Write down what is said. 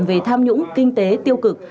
về tham nhũng kinh tế tiêu cực